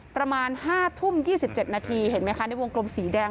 ประมาณ๕ทุ่ม๒๗นาทีเห็นไหมคะในวงกลมสีแดง